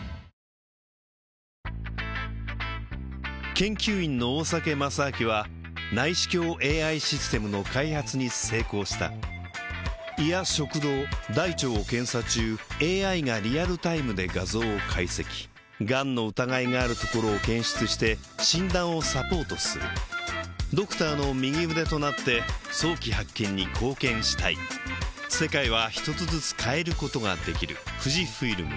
研究員の大酒正明は内視鏡ＡＩシステムの開発に成功した胃や食道大腸を検査中ＡＩがリアルタイムで画像を解析がんの疑いがあるところを検出して診断をサポートするドクターの右腕となって早期発見に貢献したい「ＮＯＮＩＯ」！